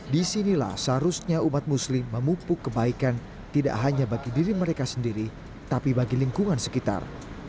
disinilah seharusnya umat muslim memupuk kebaikan tidak hanya bagi diri mereka sendiri tapi bagi lingkungan sekitar